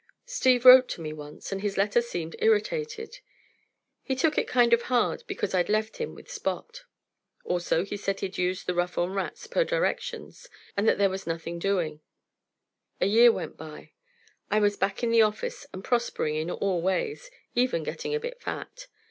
Steve wrote to me once, and his letter seemed irritated. He took it kind of hard because I'd left him with Spot. Also, he said he'd used the "rough on rats," per directions, and that there was nothing doing. A year went by. I was back in the office and prospering in all ways even getting a bit fat.